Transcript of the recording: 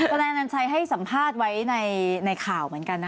ทนายอนัญชัยให้สัมภาษณ์ไว้ในข่าวเหมือนกันนะ